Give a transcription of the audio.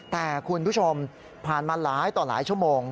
แต่คุณผู้ชมผ่านมาหลายต่อหลายชั่วโมง